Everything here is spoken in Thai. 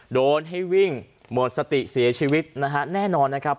โดนให้วิ่งหมดสติเสียชีวิตนะฮะแน่นอนนะครับ